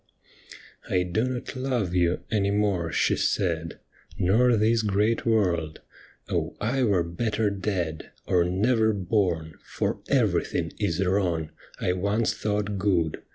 ' I do not love you any more,' she said, ' Nor this great world. Oh, I were better dead, Or never born, for everything is wrong I once thought good.